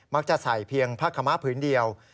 มักจะใส่เพียงผ้าขมพื้นเดียว